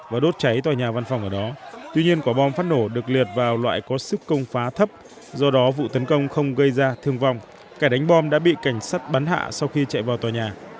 và đốt cháy tòa nhà văn phòng ở đó tuy nhiên quả bom phát nổ được liệt vào loại có sức công phá thấp do đó vụ tấn công không gây ra thương vong kẻ đánh bom đã bị cảnh sát bắn hạ sau khi chạy vào tòa nhà